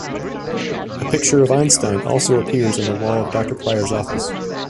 A picture of Einstein also appears on the wall of Doctor Pryor's office.